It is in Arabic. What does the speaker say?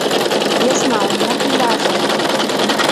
يصنع النحل العسل.